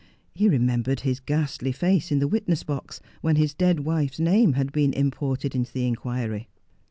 He remembered his ghastly face in the witness box, when his dead wife's name had been imported into the inquiry.